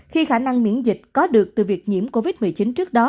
khi khả năng miễn dịch có được từ việc nhiễm covid một mươi chín trước đó